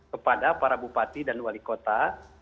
kepada para bupati dan wali kota